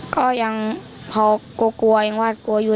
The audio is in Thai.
ก็ยังพอกลัวยังหวาดกลัวอยู่